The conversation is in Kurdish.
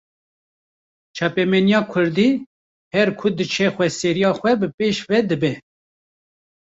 Çapemeniya kurdî, her ku diçe xweseriya xwe bi pêş ve dibe